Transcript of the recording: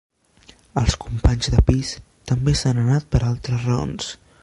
Els companys de pis també s'han anat per altres raons.